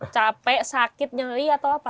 capek sakit nyeri atau apa